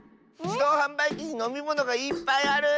じどうはんばいきにのみものがいっぱいある！